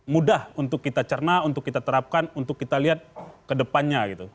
mudah untuk kita cerna untuk kita terapkan untuk kita lihat ke depannya gitu